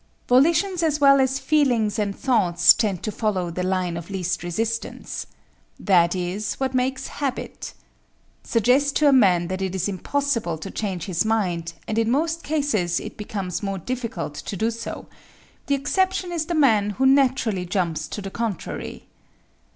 Volitions as well as feelings and thoughts tend to follow the line of least resistance. That is what makes habit. Suggest to a man that it is impossible to change his mind and in most cases it becomes more difficult to do so the exception is the man who naturally jumps to the contrary.